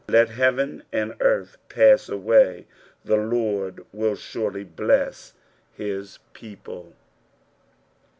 Xd heaven aitd earth pats away, the Lord will auriiy bless his people.